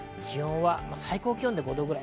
気温は最高気温で５度。